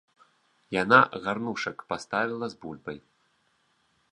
Яна гарнушак паставіла з бульбай.